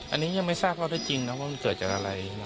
อันนี้ยังไม่ทราบข้อได้จริงนะว่ามันเกิดจากอะไร